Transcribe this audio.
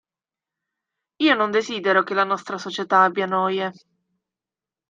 Io non desidero che la nostra Società abbia noie.